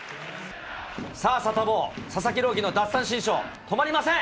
さあ、サタボー、佐々木朗希の奪三振ショー、止まりません。